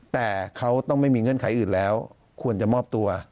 แต่เขาต้องไม่มีเงื่อนไขอื่นแล้วควรจะมอบตัว